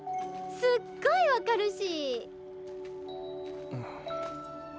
すっごいわかるし。